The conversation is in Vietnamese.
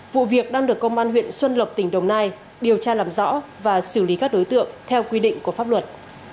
vụ việc đang được công an huyện xuân lộc tỉnh đồng nai điều tra làm rõ và xử lý các đối tượng theo quy định của pháp luật